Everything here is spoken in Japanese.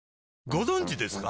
ご存知ですか？